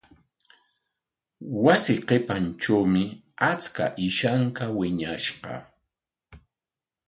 Wasi qipantrawmi achka ishanka wiñashqa.